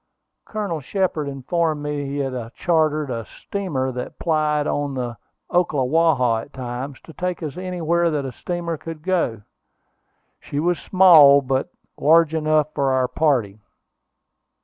Colonel Shepard informed me that he had chartered a steamer that plied on the Ocklawaha at times, to take us anywhere that a steamer could go. She was small, but large enough for our party.